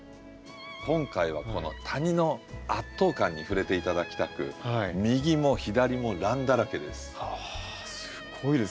今回はこの谷の圧倒感に触れて頂きたく右も左もランだらけです。